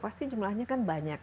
pasti jumlahnya kan banyak